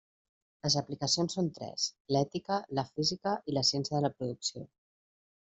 Les aplicacions són tres: l'ètica, la física i la ciència de la producció.